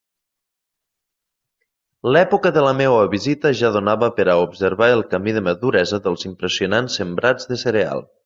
L'època de la meua visita ja donava per a observar el camí de maduresa dels impressionants sembrats de cereal.